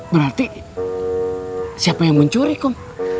berarti siapa yang mencuri kum